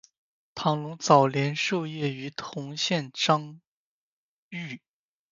唐龙早年受业于同县章懋。